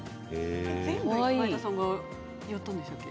全部、前田さんがやったんでしたっけ？